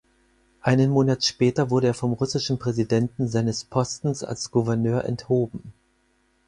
Einen Monat später wurde er vom russischen Präsidenten seines Postens als Gouverneur enthoben.